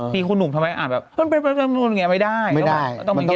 ที่คุณหนุ่มทำไมอ่านแบบก็ไม่ดี